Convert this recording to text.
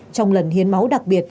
trong lần hiến máu đặc biệt